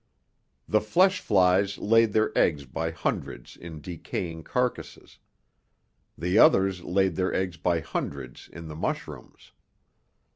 The flesh flies laid their eggs by hundreds in decaying carcases. The others laid their eggs by hundreds in the mushrooms.